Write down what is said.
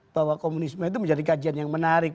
bahwa komunisme itu menjadi kajian yang menarik